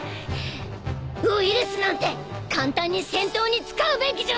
ウイルスなんて簡単に戦闘に使うべきじゃない！